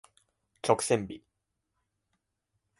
曲線美